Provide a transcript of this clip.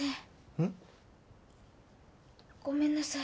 うん？ごめんなさい。